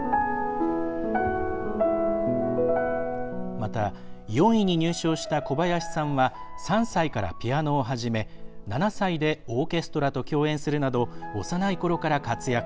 また、４位に入賞した小林さんは３歳からピアノを始め７歳でオーケストラと共演するなど、幼いころから活躍。